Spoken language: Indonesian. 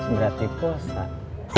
berat di pusat